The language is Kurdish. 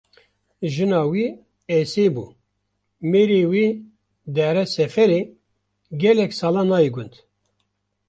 Jina wî Esê bû, mêrê wê dihere seferê gelek sala nayê gund